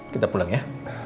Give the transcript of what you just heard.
kita pulang ya